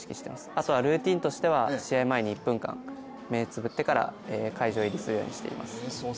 あとはルーティンとしては、試合前に１分間、めい想してから会場入りするようにしています。